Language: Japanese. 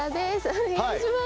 お願いします